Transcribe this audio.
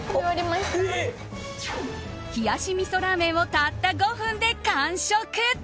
冷し味噌ラーメンをたった５分で完食。